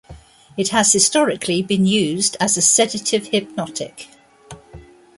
It has, historically, been used as a sedative hypnotic.